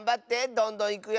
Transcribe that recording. どんどんいくよ。